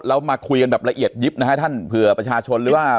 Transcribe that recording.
แล้วมาคุยกันแบบละเอียดยิบนะฮะท่านเผื่อประชาชนหรือว่า